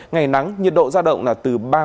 ngày nắng nhiệt độ giao động là từ ba mươi ba